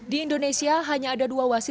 di indonesia hanya ada dua wasit